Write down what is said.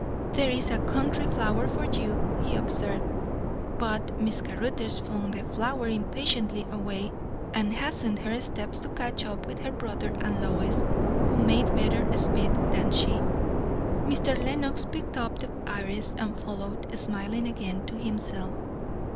"There is a country flower for you," he observed. But Miss Caruthers flung the flower impatiently away, and hastened her steps to catch up with her brother and Lois, who made better speed than she. Mr. Lenox picked up the iris and followed, smiling again to himself.